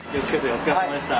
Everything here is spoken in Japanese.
お疲れさまでした。